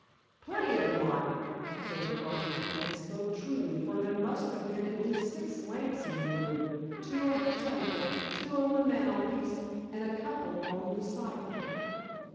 "Plenty of light," observed Garvington, and spoke truly, for there must have been at least six lamps in the room two on the table, two on the mantel piece, and a couple on the sideboard.